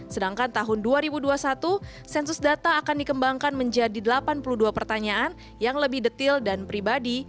sedangkan tahun dua ribu dua puluh satu sensus data akan dikembangkan menjadi delapan puluh dua pertanyaan yang lebih detail dan pribadi